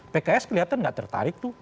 pks kelihatan nggak tertarik tuh